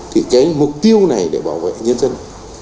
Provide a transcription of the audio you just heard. thì cái mục tiêu này để bảo vệ nhân dân